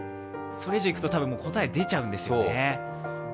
それ以上いくと多分答え出ちゃうんですよね。